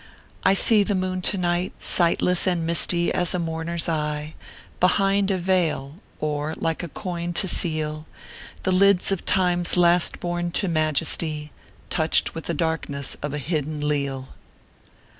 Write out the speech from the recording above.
" I see the moon to night, Sightless and misty as a mourner s eye, Behind a vail ; or, like a coin to seal The lids of Time s last born to majesty, Touched with the darkness of a hidden Leal.